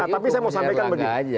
tapi saya mau sampaikan begini